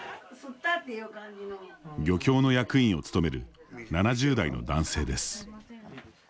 漁協の役員を務める７０代の男性です。